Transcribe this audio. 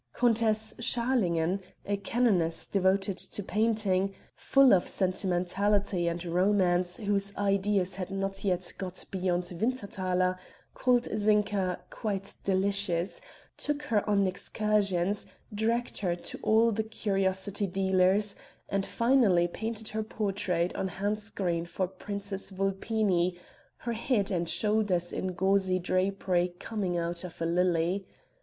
Countess Schalingen, a Canoness devoted to painting, full of sentimentality and romance, whose ideas had not yet got beyond Winterhalter, called Zinka 'quite delicious,' took her on excursions, dragged her to all the curiosity dealers, and finally painted her portrait on a handscreen for Princess Vulpini her head and shoulders in gauzy drapery coming out of a lily.